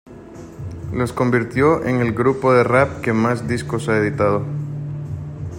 Los convirtió en el grupo de Rap que más discos ha editado.